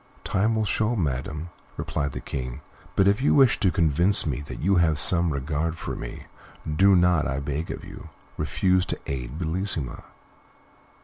"Time will show, madam," replied the King; "but if you wish to convince me that you have some regard for me, do not, I beg of you, refuse to aid Bellissima."